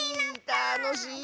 たのしい！